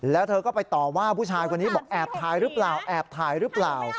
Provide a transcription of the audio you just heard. แล้วเธอก็ไปต่อว่าผู้ชายคนนี้บอกแอบถ่ายหรือเปล่าแอบถ่ายหรือเปล่า